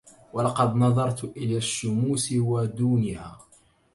ولقد نظرت إلى الشموس ودونها